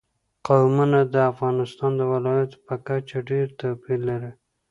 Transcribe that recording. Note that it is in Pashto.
قومونه د افغانستان د ولایاتو په کچه ډېر توپیر لري.